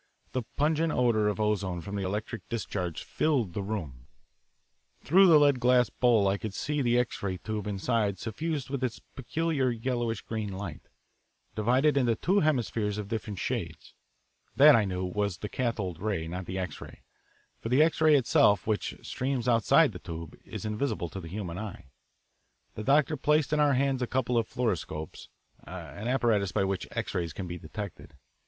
The pungent odour of ozone from the electric discharge filled the room. Through the lead glass bowl I could see the X ray tube inside suffused with its peculiar, yellowish green light, divided into two hemispheres of different shades. That, I knew, was the cathode ray, not the X ray, for the X ray itself, which streams outside the tube, is invisible to the human eye. The doctor placed in our hands a couple of fluoroscopes, an apparatus by which X rays can be detected.